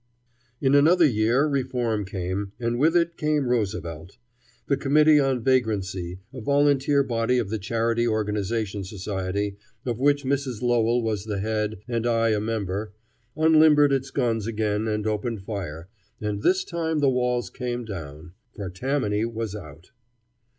In another year reform came, and with it came Roosevelt. The Committee on Vagrancy, a volunteer body of the Charity Organization Society, of which Mrs. Lowell was the head and I a member, unlimbered its guns again and opened fire, and this time the walls came down. For Tammany was out.